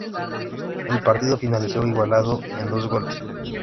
El partido finalizó igualado en dos goles.